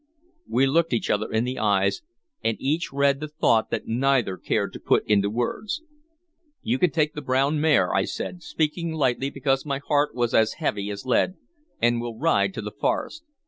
We looked each other in the eyes, and each read the thought that neither cared to put into words. "You can take the brown mare," I said, speaking lightly because my heart was as heavy as lead, "and we'll ride to the forest.